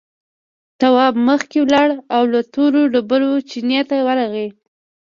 تواب مخکې لاړ او له تورو ډبرو چينې ته ورغی.